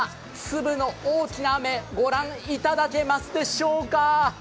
粒の大きな雨御覧いただけますでしょうか。